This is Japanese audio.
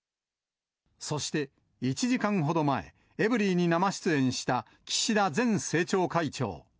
そして、１時間ほど前、エブリィに生出演した岸田前政調会長。